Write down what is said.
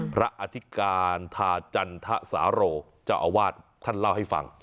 อธิการทาจันทสาโรเจ้าอาวาสท่านเล่าให้ฟัง